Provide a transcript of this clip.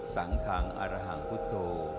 สังขังอารหังพุทธโธ